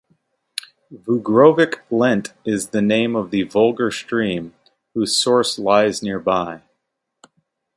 Vugrovec lent its name to the Vuger stream, whose source lies nearby.